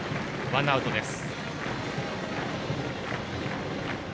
ワンアウトです。